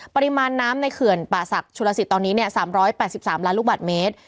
ปริมาณน้ำในเขื่อนป่าศักดิ์ชุลสิตตอนนี้๓๘๓ล้านลูกบาทเมตร